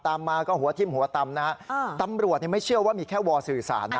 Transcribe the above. ตามมาก็หัวทิ้มหัวตำนะตำรวจไม่เชื่อว่ามีแค่วอลสื่อสารนะ